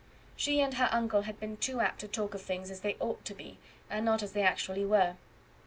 She and her uncle had been too apt to talk of things as they ought to be, and not as they actually were.